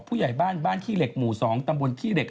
ผู้ใหญ่บ้านบ้านขี้เหล็กหมู่๒ตำบลขี้เหล็ก